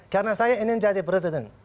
karena saya ingin jadi presiden